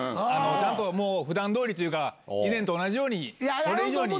ちゃんと普段通りというか以前と同じようにそれ以上に。